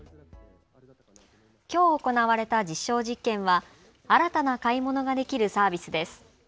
きょう行われた実証実験は新たな買い物ができるサービスです。